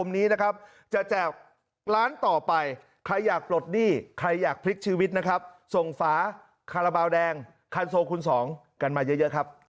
นะครับทรงฟ้าคาราบาลแดงคันโซคุณสองกันมาเยอะเยอะครับ